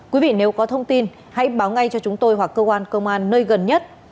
quý vị nếu có thông tin hãy báo ngay cho chúng tôi hoặc cơ quan công an nơi gần nhất